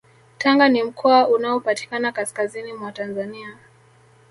Tanga ni mkoa unaopatikana kaskazini mwa Tanzania